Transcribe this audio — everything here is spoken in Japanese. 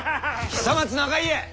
久松長家！